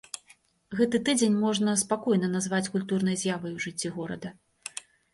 Гэты тыдзень можна спакойна назваць культурнай з'явай ў жыцці горада.